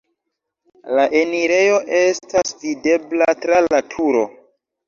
La enirejo estas videbla tra la turo.